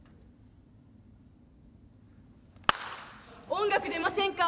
音楽出ませんか？